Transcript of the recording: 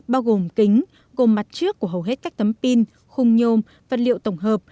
bao gồm kính gồm mặt trước của hầu hết các tấm pin khung nhôm vật liệu tổng hợp